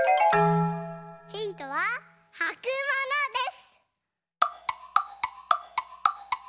ヒントははくものです！